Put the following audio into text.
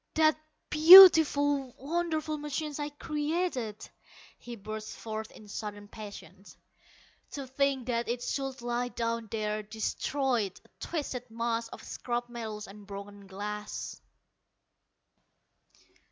"That beautiful, wonderful machine I created!" he burst forth in sudden passion. "To think that it should lie down there, destroyed, a twisted mass of scrap metal and broken glass!"